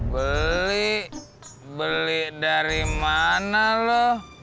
beli beli dari mana loh